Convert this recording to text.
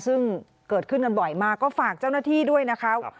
ซึ่งเกิดขึ้นกันบ่อยมากก็ฝากเจ้าหน้าที่ด้วยนะคะ